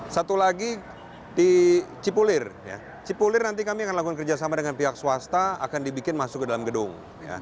satu lagi di cipulir cipulir nanti kami akan lakukan kerjasama dengan pihak swasta akan dibikin masuk ke dalam gedung